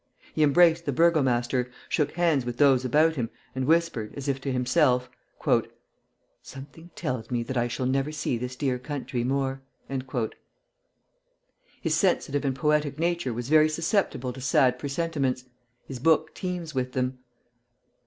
He embraced the burgomaster, shook hands with those about him, and whispered, as if to himself: "Something tells me that I shall never see this dear country more." His sensitive and poetic nature was very susceptible to sad presentiments; his book teems with them.